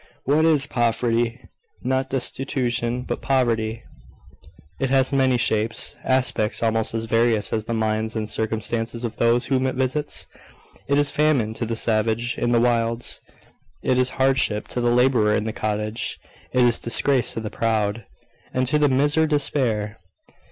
What is Poverty? Not destitution, but poverty? It has many shapes, aspects almost as various as the minds and circumstances of those whom it visits. It is famine to the savage in the wilds; it is hardship to the labourer in the cottage; it is disgrace to the proud; and to the miser despair.